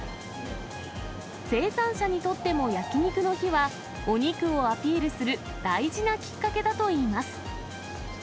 生産者にとっても焼き肉の日は、お肉をアピールする大事なきっかけだといいます。